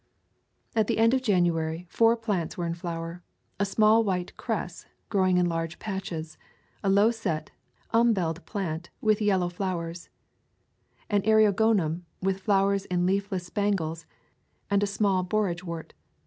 At the end of January, four plants were in flower: a small white cress, growing in large patches; a low set, umbeled plant, with yellow flowers; an eriogonum, with flowers in leafless spangles; and a small boragewort.